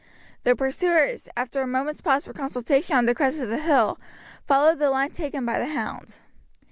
The pursuers, after a moment's pause for consultation on the crest of the hill, followed the line taken by the hound.